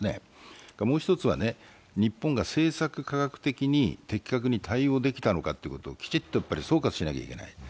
それからもう１つは日本が政策科学的に的確に対応できたのかということをきちっと総括しなきゃいけない。